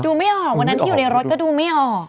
ไม่ออกวันนั้นที่อยู่ในรถก็ดูไม่ออก